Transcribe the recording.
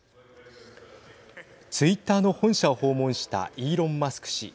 ツイッターの本社を訪問したイーロン・マスク氏。